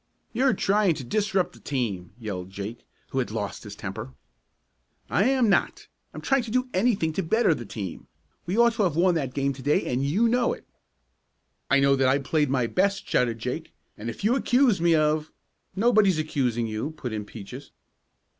"You're trying to disrupt the team!" yelled Jake, who had lost his temper. "I am not! I'm trying to do anything to better the team. We ought to have won that game to day, and you know it." "I know that I played my best!" shouted Jake, "and if you accuse me of " "Nobody's accusing you," put in Peaches.